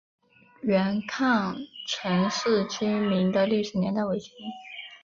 元坑陈氏民居的历史年代为清。